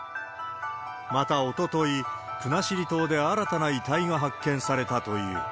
また、おととい、国後島で新たな遺体が発見されたという。